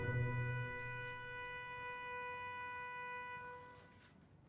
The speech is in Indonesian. pak aku mau ke rumah gebetan saya dulu